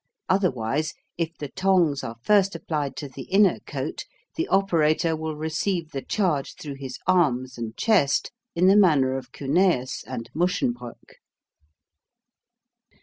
Otherwise, if the tongs are first applied to the inner coat, the operator will receive the charge through his arms and chest in the manner of Cuneus and Muschenbroeck.